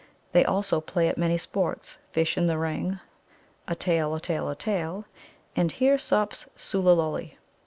They also play at many sports "Fish in the Ring," "A tail, a tail, a tail!" and "Here sups Sullilulli."